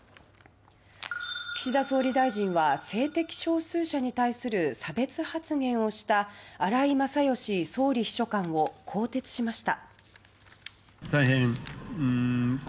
岸田総理大臣は性的少数者に対する差別発言をした荒井勝喜総理秘書官を更迭しました。